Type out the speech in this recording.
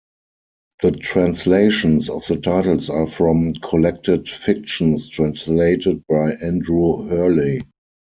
The translations of the titles are from "Collected Fictions", translated by Andrew Hurley.